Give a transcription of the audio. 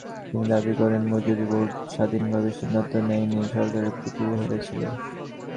তিনি দাবি করেন, মজুরি বোর্ড স্বাধীনভাবে সিদ্ধান্ত নেয়নি, সরকারের পুতুল হয়ে ছিল।